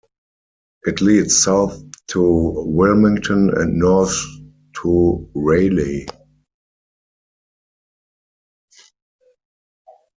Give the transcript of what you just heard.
It leads south to Wilmington and north to Raleigh.